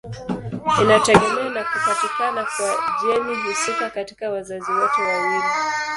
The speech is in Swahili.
Inategemea na kupatikana kwa jeni husika katika wazazi wote wawili.